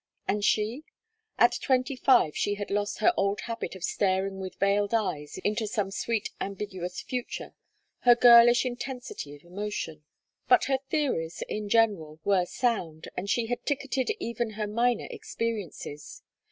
And she? At twenty five she had lost her old habit of staring with veiled eyes into some sweet ambiguous future, her girlish intensity of emotion. But her theories, in general, were sound, and she had ticketed even her minor experiences.